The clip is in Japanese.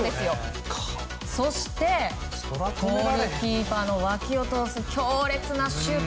そして、ゴールキーパーの脇を通す強烈なシュート。